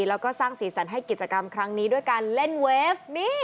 แล้วก็สร้างสีสันให้กิจกรรมครั้งนี้ด้วยการเล่นเวฟ